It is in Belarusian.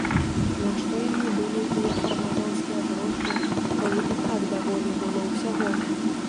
Нашто яму былі тыя фармазонскія грошы, калі і так даволі было ўсяго?